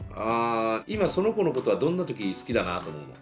今その子のことはどんな時に好きだなと思うの？